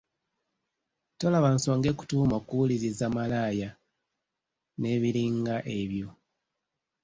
Tolaba nsonga ekutuuma kuwuliriza malaaya n’ebiringa ebyo .